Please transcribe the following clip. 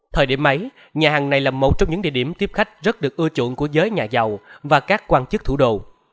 thời điểm ấy nhà hàng này là một trong những địa điểm tiếp khách rất được ưa chuộng của giới nhà giàu và các quan chức thủ đô